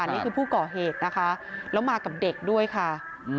นี่คือผู้ก่อเหตุนะคะแล้วมากับเด็กด้วยค่ะ